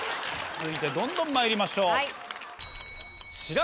続いてどんどんまいりましょう。